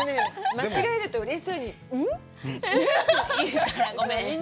間違えると、うれしそうに、うん？